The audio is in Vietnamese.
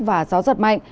và gió giật mạnh